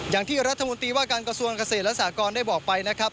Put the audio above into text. อย่างที่รัฐมนตรีว่าการกระทรวงเกษตรและสากรได้บอกไปนะครับ